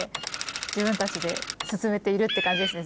自分たちで進めているって感じですね